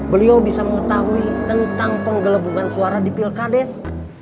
beliau bisa mengetahui tentang penggelembungan suara di pilkades